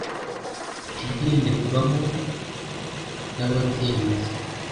Ikigenderwagho nababyemeza